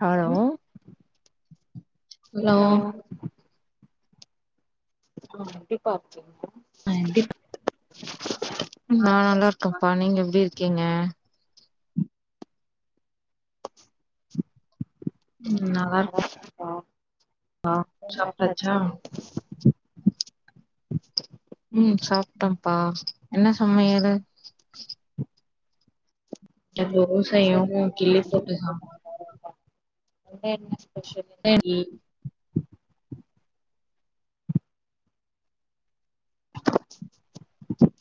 hello hello கண்டிப்பா ஆ கண்டிப் நா நல்லாருக்கம்பா நீங்க எப்டி இருக்கீங்க ம் நல்லா இருக்கே ஆ சாப்டாச்சா ம் சாப்ட்டம்பா என்ன சமையலு இங்க தோசயும் கிள்ளி போட்டு சாப்பார் வேற என்ன அங்க என்ன ஸ்பெஷலு செரி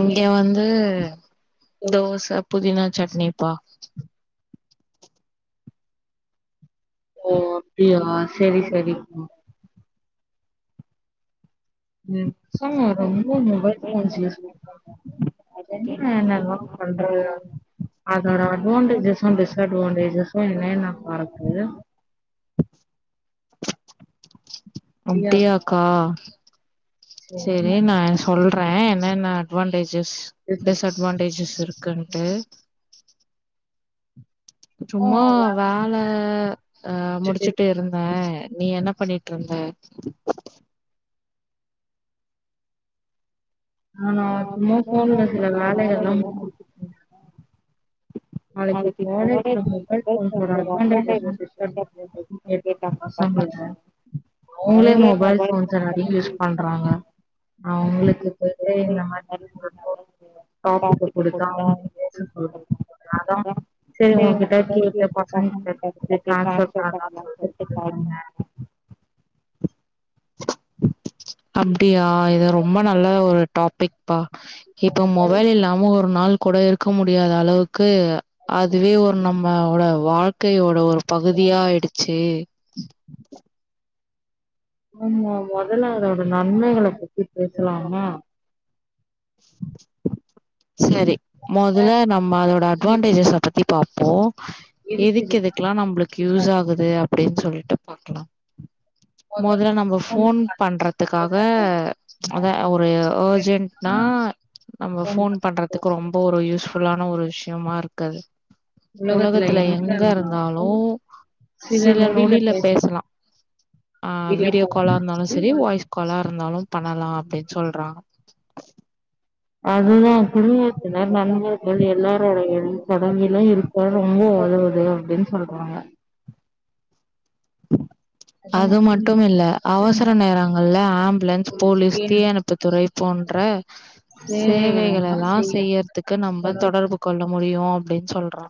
இங்க வந்து தோச புதினா சட்னிப்பா ஓ அப்டியா சரி சரி ம் ம் சொ ரொம்ப மொபைல் போன்ஸ் யூஸ் பண்றாங் என்ன என்ன லா பண்றது அதோட அட்வான்டேஜஸும் டிஸ்அட்வான்டேஜஸும் என்னேன்னப்பா இருக்கு அப்டியாக்கா செரி நா சொல்றே என்னென்ன அட்வான்டேஜஸ் டிஸ்அட்வான்டேஜஸ் இருக்குன்ட்டு சும்மா வேல ஆ முடிச்சுட்டு இருந்தே நீ என்ன பண்ணிட்ருந்த நானா சும்மா போன் பேசுறே வேலயெல்லா முடிச்சு [inaudible] நாளைக்கு காலேஜ்ல மொபைல் போன்ஸ்ஸோட அட்வான்டேஜஸும் டிஸ் அட்வான்டேஜஸும் கேப்பாங்க பசங்கட்ட அவங்களே மொபைல் போன்ஸ நெறைய யூஸ் பண்றாங்க அவுங்களுக்கு போயிட்டு இந்த மாரி டாபிக்க குடுத்து அவங்கிட்ட பேச சொல்லனும் அதா செரி உங்ககிட்ட கேட்டு பசங்க கேட்டா அன்செர் பண்ணலா அப்டியா இது ரொம்ப நல்ல ஒரு டாபிக் ப்பா இப்ப மொபைல் இல்லாம ஒரு நாள் கூட இருக்க முடியாத அளவுக் க்கு அதுவே ஒரு நம்மோட வாழ்க்கையோட ஒரு பகுதியாயிடுச்சு [inaudible] ஆமா மொதல்ல அதோட நன்மைகள பத்தி பேசலாமா [inaudible] சரி மொதல்ல நம்ம அதோட அட்வான்டேஜஸ பத்தி பாப்போ எதுக்கு எதுக்கெல்லா நம்மளுக்கு யூஸ் ஆகுது அப்டினு சொல்லிட்டு பாக்கலா [inaudible] மொதல்ல நம்ம ஃபோன் பண்றதுக்காக அதான் ஒரு அர்ஜென்ட்னா நம்ம ஃபோன் பண்றதுக்கு ரொம்ப ஒரு யூஸ்ஃபுல்லான ஒரு விஷயமா இருக்குது உலகத்துல எங்க இருந்தாலும் சில நொடில பேசலா ஆ வீடியோ காலா இருந்தாலும் சரி வாய்ஸ் காலா இருந்தாலும் பண்ணலா அப்டின்னு சொல்றாங்க அதுதா குடியிருக்குற நண்பர் அது எல்லாரோட இது தொடர்பிலயும் இருக்கோ ரொம்ப ஒதவுது அப்டின்னு சொல்றாங்க அது மட்டும் இல்ல அவசர நேரங்கள்ல ஆம்புலன்ஸ் போலீஸ் தீயணைப்புத் துறை போன்ற சேவைகள எல்லா செய்யறதுக்கு நம்ம தொடர்பு கொள்ள முடியு அப்டின்னு சொல்றா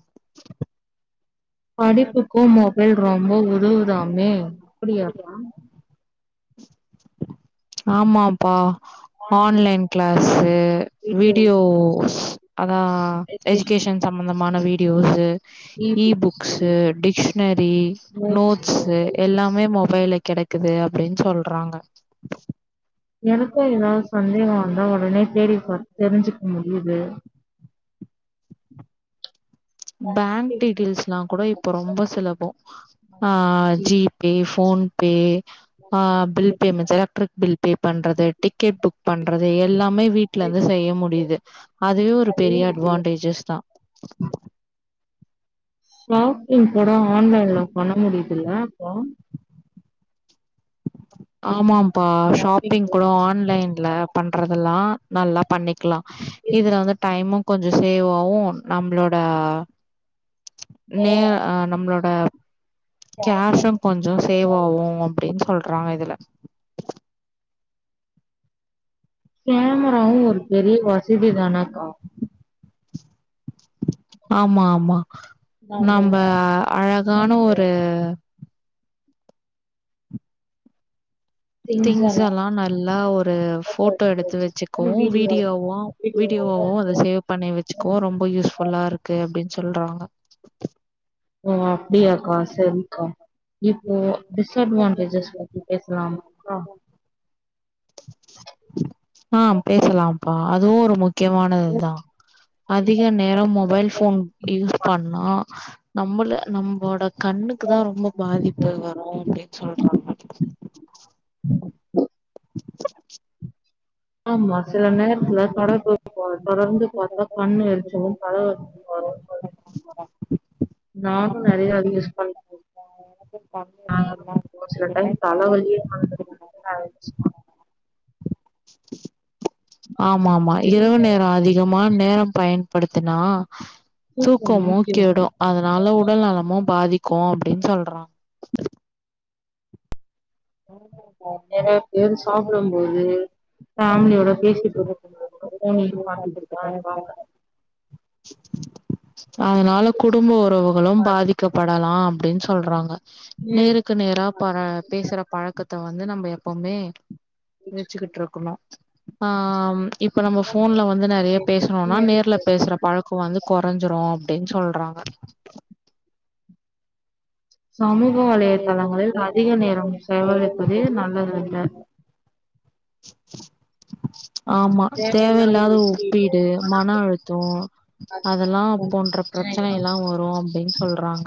படிப்புக்கும் மொபைல் ரொம்ப உதவுதாமே அப்புடியா ஆமாப்பா ஆன்லைன் கிளாஸ்சு வீடியோஸ் அத்தா எஜுகேஷன்ஸ் சம்மந்தமான வீடியோஸ்சு ஈ புக்ஸ்சு டிஷ்னரி எல்லாமே மொபைல்ல கெடைக்குது அப்புடின்னு சொல்றாங்க எனக்கும் ஏதாவது சந்தேகம் வந்தா உடனே தேடி பாத் தெரிஞ்சுக்க முடியிது பேங்க் டீடெயில்ஸ்ல்லா கூட இப்ப ரொம்ப சுலபோ ஆ ஜீப் பே ஃபோன் பே ஆ bill payments electric bill pay பண்றது டிக்கெட் புக் பண்றது எல்லாமே வீட் ல இருந்து செய்ய முடியுது அதுவே ஒரு பெரிய அட்வான்டேஜஸ் தா ஷாப்பிங் கூட ஆன்லைன்ல பண்ண முடியிதுல்ல இப்போ ஆமாம்பா ஷாப்பிங் கூட ஆன்லைன்ல பண்றதெல்லா நல்லா பண்ணிக்கலா இதுல வந்து டைமு கொஞ்சோ சேவ் ஆவும் நம்ளோட நே அ நம்ளோட கேஷ்சம் கொஞ்சோ சேவ் ஆவும் அப்டின்னு சொல்றாங்க இதுல கேமராவு ஒரு பெரிய வசதி தானக்கா ஆமா ஆமா நம்ப அழகான ஒரு திங்ஸ் எல்லா நல்லா ஒரு ஃபோட்டோ எடுத்து வச்சுக்கவும் வீடியோவும் வீடியோவாவும் அத சேவ் பண்ணி வச்சுக்கவும் ரொம்ப யூஸ்ஃபுல்லா இருக்கு அப்டின்னு சொல்றாங்க ஓ அப்புடியாக்கா சரிக்கா இப்போ டிஸ்அட்வான்டேஜஸ் பத் தி பேசலாம்க்கா ஆ பேசலாம்ப்பா அதுவும் ஒரு முக் கியமானது தா அதிக நேரோ மொபைல் ஃபோன் யூஸ் பண்ணா நம்மள நம்போட கண்ணுக்குதா ரொம்ப பாதிப்பு வரும் அப்டின்னு சொல்றாங்க ஆமா சில நேரத்துல தொடர்பு இப்போ தொடர்ந்து பாத்தா கண் எரிச்சலும் படபடப்பு வருன்னு சொல் நானும் நெறையா அது யூஸ் பண் நா எனக்கு ஒரு சில டைம் தலவலியே [unintelligible] ஆமா ஆமா இரவு நேரோ அதிகமா நேரம் பயன்படுத்தினா தூக்கமு கெடும் அதுனால உடல்நலமு பாதிக்கும் அப்டின்னு சொல்றாங்க [inaudible] நெறைய பேரு சாப்பிடும் போது ஃபேமிலியோட பேசிட்ருக்கும் போது [unintelligible] ஃபோனு கீனு பாத்துகிட்டு தா இருப்பாங்க அதனாலே குடும்ப உறவுகளும் பாதிக்கப்படலாம் அப்டின்னு சொல்றாங்க நேருக்கு நேரா பழ பேசுற பழக்கத்த வந்து நம்ப எப்பவுமே வச்சுக்கிட்டு இருக்கணு ஆ இப்ப நம்ப ஃபோன்ல வந்து நெறைய பேசறோன்னா நேர்ல பேசற பழக்கம் வந்து கொறஞ்சிரும் அப்டின்னு சொல்றாங்க சமூக வலைய தளங்களில் அதிக நேரம் செலவழிப்பது நல்லது இல்ல [inaudible] ஆமா தேவையில்லாத ஒப்பீடு மன அழுத்தோ அதெல்லா போன்ற பிரச்சனை எல்லா வரு அப்படின்னு சொல்றாங்க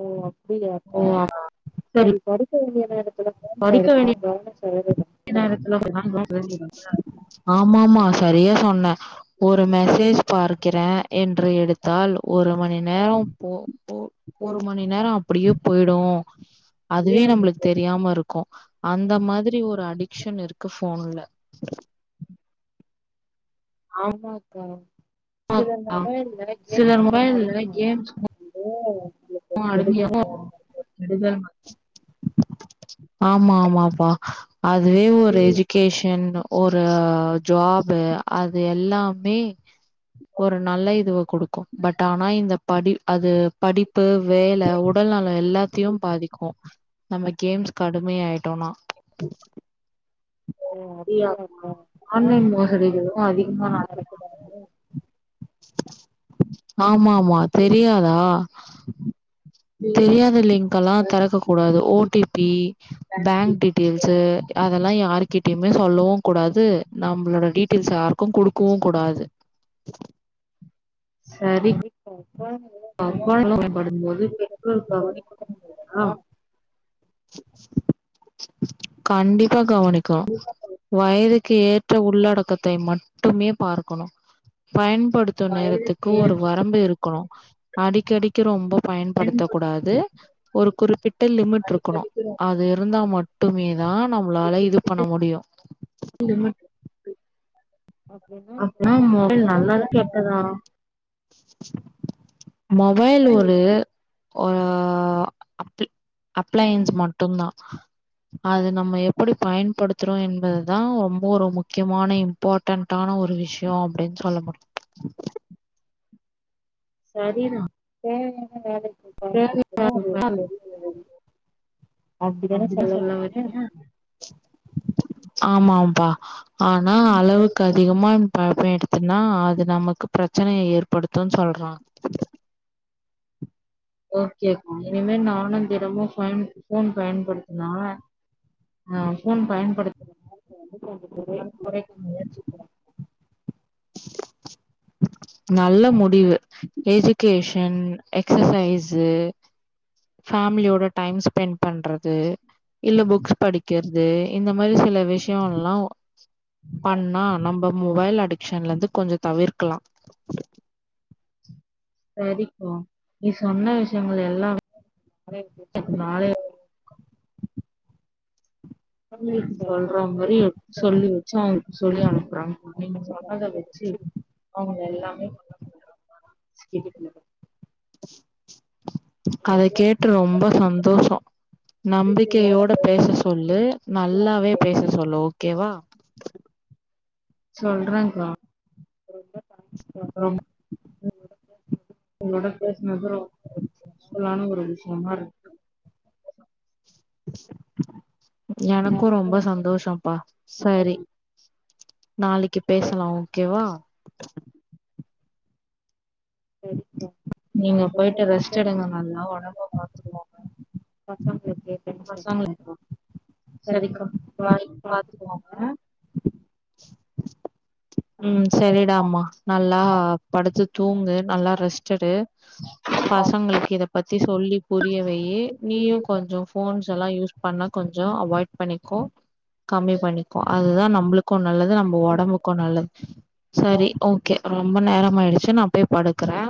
ஓ அப்படியாக்கா சேரி படிக்கவேண்டிய நேரத்துல [inaudible] கவர்மெண்ட் சேலரி வரும்ல ஆமாமா சரியா சொன்ன ஒரு மெசேஜ் பாக்கிறே என்று எடுத்தால் ஒரு மணி நேரம் போ ஒரு மணி நேர அப்படியே போயிடு அதுவே நம்மளுக்கு தெரியாம இருக்கு அந்த மாதிரி ஒரு அடிக்ஷன் இருக்கு போன்ல [inaudible] ஆமாக்கா சில மொபைல்ல கேம்ஸ் [unintelligible] இல்ல [unintelligible] எதுக்கு நமக்கு வம்பு ஆமா ஆமாப்பா அதுவே ஒரு எஜி கேஷன் ஒரு ஜாப்பு அது எல்லாமே ஒரு நல்ல இதுவ குடுக்கு பட் ஆனா இந்த படு அது படிப்பு வேல உடல் நலோ எல்லாத்தையு பாதிக்கு நம்ம கேம்ஸ்க்கு அடிம ஆயிட்டோம்னா [inaudible] எ ஆமா ஆன்லைன் மோசடி அதிகமா நடக்குது ஆமாமா தெரியாதா ம் தெரியாத லிங்க் எல்லா தெறக்க கூடாது O T P bank details அதெல்லா யாருகிட்டயுமே சொல்லவு கூடாது நம்மளோட டீட்டெயல்ஸ் யாருக்கும் குடுக்கவும் கூடாது சரி அப்பா [inaudible] படுக்கும் போது ம் [unintelligible] கண்டிப்பா கவனிக்கு வயது கேற்பஉள்ளடக்கத்தை மட்டுமே பார்க்கணு பயன்படுத் து நேரத்துக்கு ஒரு வரம்புருக் கணு அடிக்கடிக்க ரொம்ப பயன்படுத்தக் கூடாது ஒரு குறிப்பிட்ட லிமிட் இருக் குணு அது இருந்தா மட்டுமே தா நம்மளால இது பண்ண முடியு அப்பனா மொபைல் நல்லதா கெட்டதா மொபைல் ஒரு ஒரு அப்பில் அப்ளைன்ஸ் மட்டுந்தா அது நம்ம எப்படி பயன்படுத்துறோ என்பதுதா ரொம்ப ஒரு முக்கியமான இம் பார்ட்டன்டான ஒரு விஷயோ அப்டினு சொல்ல முடியு சரிதா தேவையானா வேல போது பபயன்படுத்றோ அது ஒரு பெரிய வேல அப்படித்தானே சொல்ல வராங்க ஆமாம்பா ஆனா அளவு கு அதிகமாக இம் ப பயன்படுத்தின அது நமக்கு பிரச்சனையை ஏற்படுத்தும்ன் சொல்றா ஓகே அக்கா இனிமே நானு தினமு பன் போன் பயன்படுத்துனா ஆ போன் பயன்படு [inaudible] படிப்பு முடிஞ்சி நல்ல முடிவு எஜிகேஷன் எக்ஸசைஸு ஃபேம்லியோட டைம் ஸ்பெண்ட் பண்றது இல்ல புக்ஸ் படி க்கற்து இந்த மாதிரி சில விஷ்யோல்லா பண்ணா நம்ம மொபைல் அடிக்ஷன்ல இருந்து கொஞ்சோ தவிர்க்கலா சரி கா நீ சொன்ன விஷயங்கள் எல்லா [unintelligible] க்கு சொல்ற மாரி சொல்லி வச்சு அவுங்களுக்கு சொல்லி வச்சு அனுப்புறாங்க சொன்னத வச்சு அவுங்க எல்லாமே பண்ண சொல்றாங்கல அதை கேட்டு ரொம்ப சந்தோஷோ நம்பிக்கையோட பேச சொல்லு நல்லாவே பேச சொல்லு ஓகேவா சொல்றே ரொம்ப தேங்க்ஸ்க்கா ரொம் உங்களோட பேசினது ரொம்ப யூஸ்ஃபுல்லான ஒரு விஷ்யமா இரு எனக்கு ரொம்ப சந்தோஷப்பா சரி நாளைக்கு பேசலா ஓகேவா சரிப்பா நீங்க பொயிட்டு ரெஸ்ட் எடுங்க மேம் நல்லா ஒடம்பா பாத்துக்கோங்க பாஸ் ஆன் ஃப்ளக்கு பசங்ல அக்கா சரிக்கா பாய் பாத்துக்கோங்க சரிடா அம்மா நல்லா படுத்து தூங்கு ரெஸ்டடு எடு பசங்களுக்கு இத பத் பத்தி சொல்லி புரியவைய்யு நீயு கொஞ்சோ போன்ஸ்ஸெல்லா யூஸ் பண்ண கொஞ்சோ அவாய்ட் பண்ணிக்கோ கம்மி பண்ணிக்கோ அதுதா நம்ளுக்கு நல்லது நம்ம ஒடம்புக்கு நல்லது சரி ஓகே ரொம்ப நேரம் ஆயிடுச்சு நா போய் படுக்குறே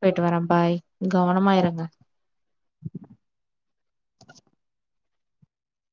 பெயிட்டு வரே பாய் கவனமாருங்க